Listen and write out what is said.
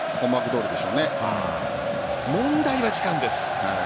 問題は時間です。